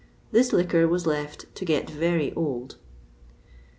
This liquor was left to get very old.